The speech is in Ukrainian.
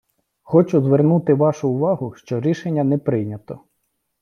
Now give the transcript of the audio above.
Хочу звернути вашу увагу, що рішення не прийнято.